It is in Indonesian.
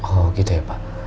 oh gitu ya pak